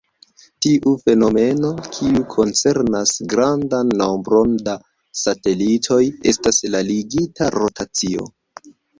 Tiu fenomeno, kiu koncernas grandan nombron da satelitoj, estas la ligita rotacio.